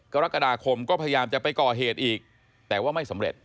กรกฎาคมก็พยายามจะไปก่อเหตุอีกแต่ว่าไม่สำเร็จ